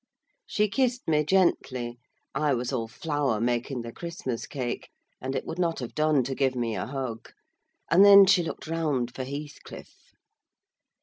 She kissed me gently: I was all flour making the Christmas cake, and it would not have done to give me a hug; and then she looked round for Heathcliff.